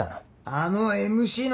あのＭＣの芸人